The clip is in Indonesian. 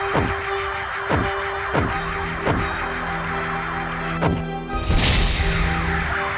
tapi aku tidak melakukan itu